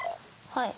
はい。